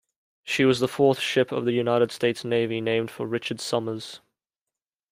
She was the fourth ship of the United States Navy named for Richard Somers.